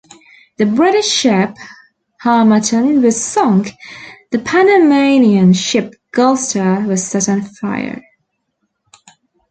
The British ship "Harmattan" was sunk, the Panamanian ship "Gulfstar" was set on fire.